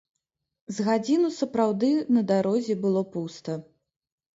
З гадзіну сапраўды на дарозе было пуста.